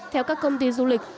theo các công ty du lịch